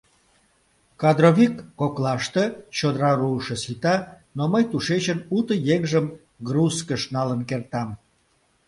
Кадровик коклаште чодыра руышо сита, но мый тушечын уто еҥжым грузкыш налын кертам.